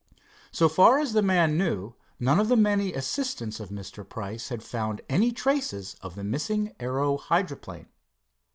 So far as the man knew, none of the many assistants of Mr. Price had found any traces of the missing aero hydroplane.